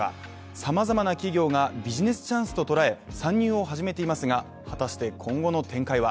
様々な企業がビジネスチャンスと捉え参入を始めていますが、果たして今後の展開は。